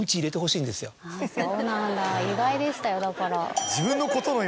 そうなんだ意外でしたよだから。